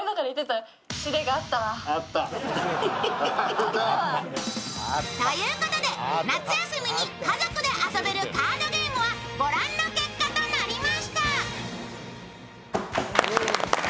ということで、夏休みに家族で遊べるカードゲームはご覧の結果となりました。